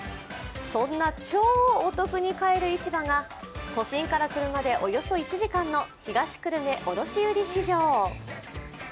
そんな超お得に買える市場が都心から車でおよそ１時間の東久留米卸売市場。